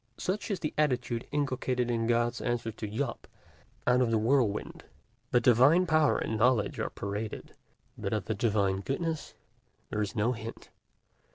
Such is the attitude inculcated in God's answer to Job out of the whirlwind: the divine power and knowledge are paraded, but of the divine goodness there is no hint.